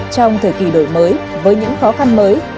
trong thời kỳ đổi mới với những khó khăn mới